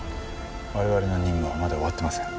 我々の任務はまだ終わってません。